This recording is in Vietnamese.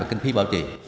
và kinh phí bảo trì